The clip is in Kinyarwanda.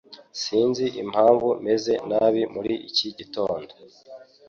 Sinzi impamvu meze nabi muri iki gitondo.